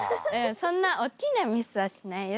そんなおっきなミスはしないよ